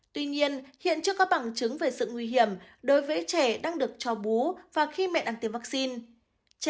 tuy nhiên hiện chưa có bằng chứng về sự nguy hiểm đối với trẻ đang được cho bú và khi mẹ ăn tiêm vaccine